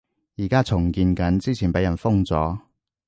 而家重建緊，之前畀人封咗